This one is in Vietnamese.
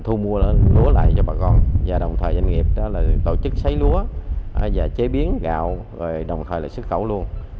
thu mua lúa lại cho bà con và đồng thời doanh nghiệp tổ chức xây lúa chế biến gạo đồng thời sức cẩu luôn